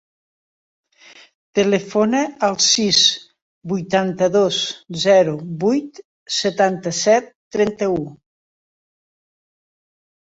Telefona al sis, vuitanta-dos, zero, vuit, setanta-set, trenta-u.